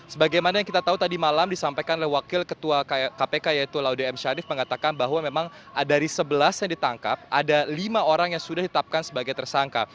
sebagaimana yang kita tahu tadi malam disampaikan oleh wakil ketua kpk yaitu laude m syarif mengatakan bahwa memang dari sebelas yang ditangkap ada lima orang yang sudah ditetapkan sebagai tersangka